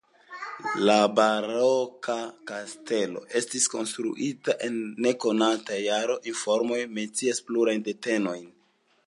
La baroka kastelo estis konstruita en nekonata jaro, informoj mencias plurajn datenojn.